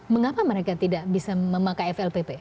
mengapa mereka tidak bisa memakai flpp